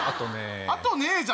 あとね。